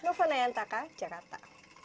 novo nayantaka jakarta